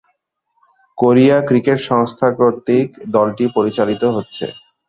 Korea cricket সংস্থা কর্তৃক দলটি পরিচালিত হচ্ছে।